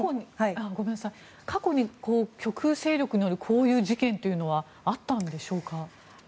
過去に極右勢力によるこういう事件はあったんでしょうか？